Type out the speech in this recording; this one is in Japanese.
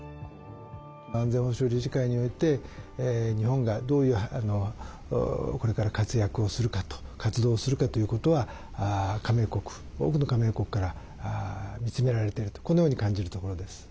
安全保障理事会において日本が、どういうこれから活躍をするかと活動をするかということは加盟国、多くの加盟国から見つめられているとこのように感じるところです。